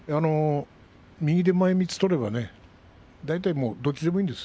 右で前みつを取れば大体、どちらでもいいんです